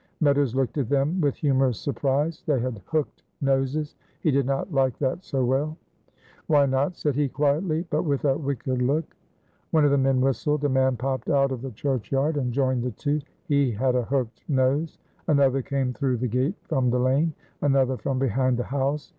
Meadows looked at them with humorous surprise. They had hooked noses. He did not like that so well. "Why not?" said he, quietly, but with a wicked look. One of the men whistled, a man popped out of the churchyard and joined the two; he had a hooked nose. Another came through the gate from the lane; another from behind the house.